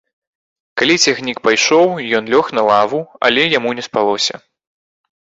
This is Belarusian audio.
Калі цягнік пайшоў, ён лёг на лаву, але яму не спалася.